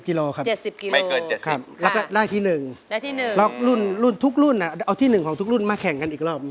๗๐กิโลครับไม่เกิน๗๐กิโลครับแล้วก็ได้ที่หนึ่งแล้วรุ่นทุกรุ่นเอาที่หนึ่งของทุกรุ่นมาแข่งกันอีกรอบ